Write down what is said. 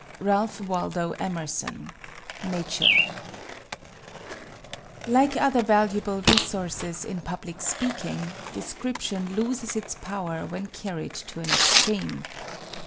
RALPH WALDO EMERSON, Nature. Like other valuable resources in public speaking, description loses its power when carried to an extreme.